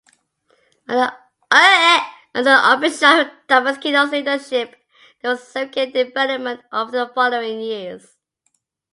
Under Archbishop Damaskinos' leadership there was significant development over the following years.